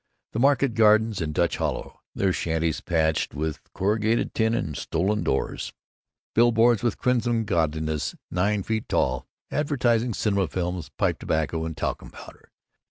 The market gardens in Dutch Hollow, their shanties patched with corrugated iron and stolen doors. Billboards with crimson goddesses nine feet tall advertising cinema films, pipe tobacco, and talcum powder.